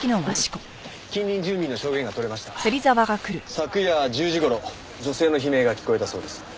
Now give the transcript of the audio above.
昨夜１０時頃女性の悲鳴が聞こえたそうです。